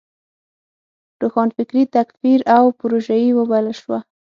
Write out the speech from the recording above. روښانفکري تکفیر او پروژيي وبلل شوه.